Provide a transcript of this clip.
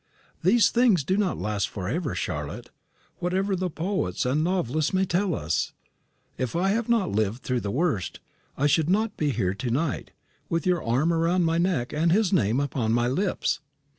These things do not last for ever, Charlotte, whatever the poets and novelists may tell us. If I had not lived through the worst, I should not be here to night, with your arm round my neck and his name upon my lips.